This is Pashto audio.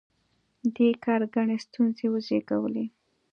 دې کار ګڼې ستونزې وزېږولې.